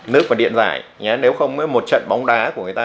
nước và điện giải nếu không một trận bóng đá của người ta